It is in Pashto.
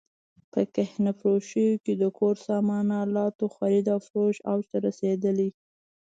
په کهنه فروشیو کې د کور سامان الاتو خرید او فروش اوج ته رسېدلی.